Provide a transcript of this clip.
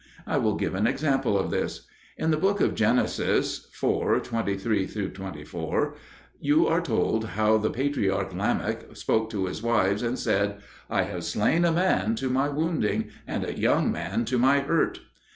I will give an example of this. In the Book of Genesis (iv. 23, 24) you are told how the patriarch Lamech spoke to his wives and said, "I have slain a man to my wounding, and a young man to my hurt."